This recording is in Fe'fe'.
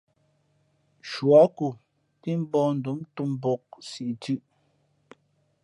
Shuάku pí mbᾱαndom ntōm mbōk siꞌ thʉ̄ꞌ.